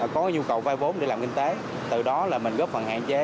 có nhu cầu vay vốn để làm kinh tế từ đó là mình góp phần hạn chế